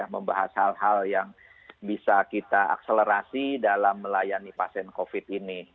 membahas hal hal yang bisa kita akselerasi dalam melayani pasien covid ini